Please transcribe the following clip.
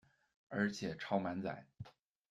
而且超满载